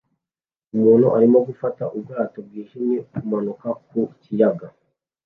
Umuntu arimo gufata ubwato bwijimye kumanuka ku kiyaga